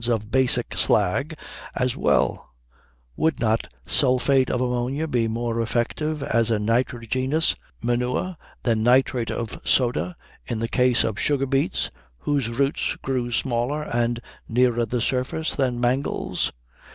of basic slag as well would not sulphate of ammonia be more effective as a nitrogenous manure than nitrate of soda in the case of sugar beets, whose roots grew smaller and nearer the surface than mangels?